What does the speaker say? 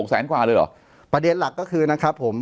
๖แสนกว่าครับ